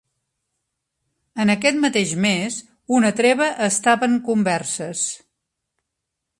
En aquest mateix mes, una treva estava en converses.